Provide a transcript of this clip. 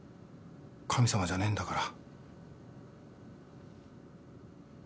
神様じゃねえんだから。